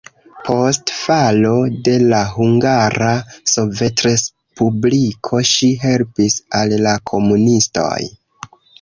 Post falo de la hungara sovetrespubliko ŝi helpis al la komunistoj.